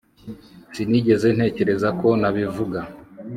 Sinigeze ntekereza ko nabivuga